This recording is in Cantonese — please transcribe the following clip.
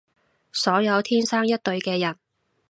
所有天生一對嘅人